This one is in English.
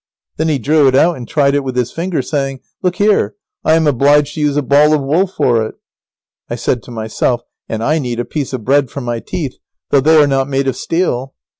Then he drew it out and tried it with his finger, saying, "Look here, I am obliged to use a ball of wool for it." I said to myself, "And I need a piece of bread for my teeth, though they are not made of steel."